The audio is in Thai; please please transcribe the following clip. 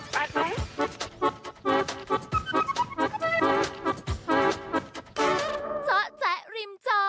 โปรดติดตามตอนต่อไป